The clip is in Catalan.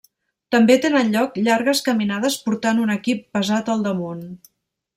També tenen lloc llargues caminades portant un equip pesat al damunt.